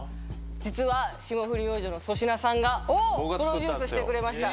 実は霜降り明星の粗品さんがプロデュースしてくれました